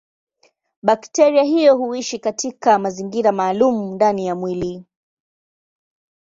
Bakteria hiyo huishi katika mazingira maalumu ndani ya mwili.